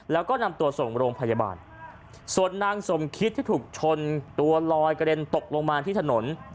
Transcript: แล้วก็นำตัวส่งโรงพยาบาลส่วนนางสมคิดที่ถูกชนตัวลอยกระเด็นตกลงมาที่ถนน